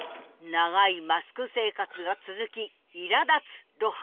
長いマスク生活が続きいらだつ露伴。